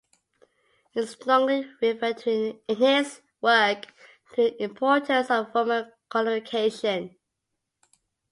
He strongly referred in his work to the importance of Roman Codification.